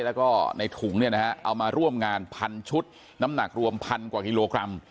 แล้วก็ในถุงเนี่ยนะฮะเอามาร่วมงานพันชุดน้ำหนักรวมพันกว่ากิโลกรัม